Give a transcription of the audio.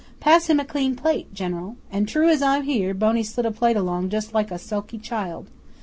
Pass him a clean plate, General." And, as true as I'm here, Boney slid a plate along just like a sulky child.